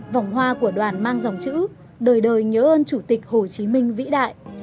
vòng hoa của đoàn mang dòng chữ đời đời nhớ ơn chủ tịch hồ chí minh vĩ đại